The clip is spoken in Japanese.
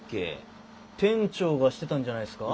店長がしてたんじゃないっすか？